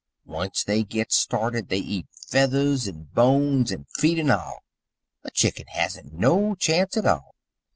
Once they git started they eat feathers and bones and feet and all a chicken hasn't no chance at all.